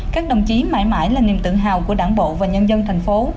các đồng chí mãi mãi là niềm tự hào của đảng bộ và nhân dân thành phố